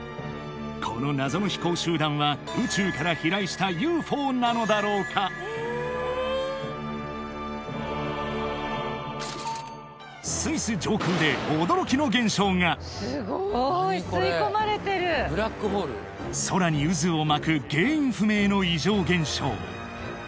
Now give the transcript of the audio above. この謎の飛行集団は宇宙から飛来したＵＦＯなのだろうかスイス上空で空に渦を巻く原因不明の異常現象